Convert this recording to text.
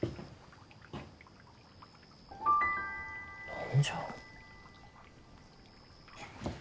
何じゃ？